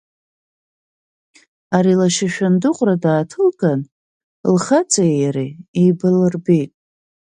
Ари лашьа ашәындыҟәра дааҭылган, лхаҵеи иареи еибалырбеит.